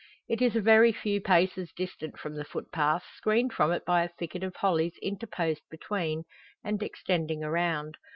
It is a few paces distant from the footpath, screened from it by a thicket of hollies interposed between, and extending around.